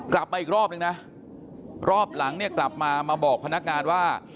กลับมาอีกรอบนึงนะรอบหลังเนี่ยกลับมามาบอกพนักงานว่า